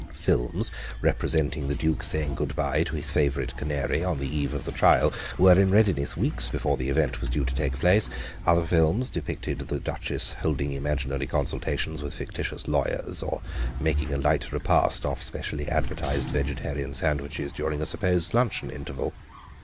Films representing the Duke saying good bye to his favourite canary on the eve of the trial were in readiness weeks before the event was due to take place; other films depicted the Duchess holding imaginary consultations with fictitious lawyers or making a light repast off specially advertised vegetarian sandwiches during a supposed luncheon interval.